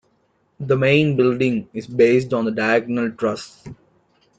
The main building is based on the diagonal truss.